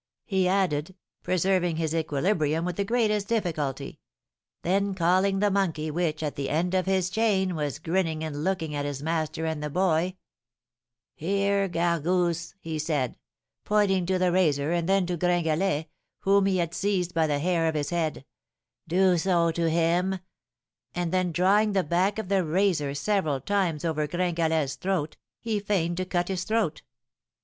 he added, preserving his equilibrium with the greatest difficulty. Then calling the monkey, which, at the end of his chain, was grinning and looking at his master and the boy, 'Here, Gargousse,' he said, pointing to the razor, and then to Gringalet, whom he had seized by the hair of his head, 'do so to him;' and then drawing the back of the razor several times over Gringalet's throat, he feigned to cut his throat.